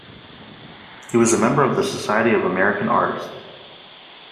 He was a member of the Society of American Artists.